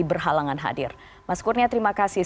berhalangan hadir mas kurnia terima kasih